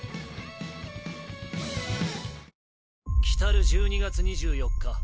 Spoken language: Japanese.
来る１２月２４日